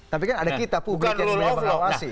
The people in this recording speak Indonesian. tapi kan ada kita bukan rule of law sih